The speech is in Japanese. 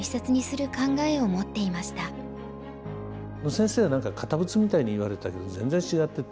先生は堅物みたいにいわれたけど全然違ってて。